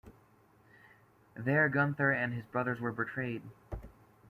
There Gunther and his brothers were betrayed.